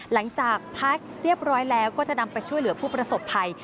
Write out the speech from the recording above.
หลังจากพักเรียบร้อยแล้วก็จะนำไปช่วยเหลือผู้ประสบภัย